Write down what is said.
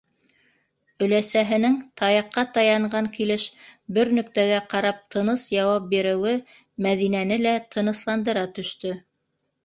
- Өләсәһенең таяҡҡа таянған килеш бер нөктәгә ҡарап тыныс яуап биреүе Мәҙинәне лә тынысландыра төштө.